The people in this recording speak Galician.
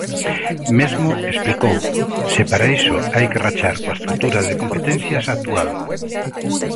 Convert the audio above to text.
Mesmo, explicou, "se para iso hai que rachar coa estrutura de competencias" actual.